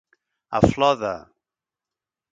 A flor de.